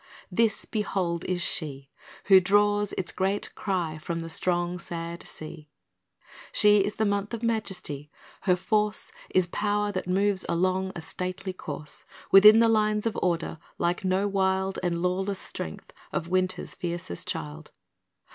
This, behold, is she Who draws its great cry from the strong, sad sea; She is the month of majesty. Her force Is power that moves along a stately course, Within the lines of order, like no wild And lawless strength of winter's fiercest child.